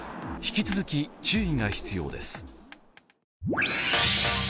引き続き注意が必要です。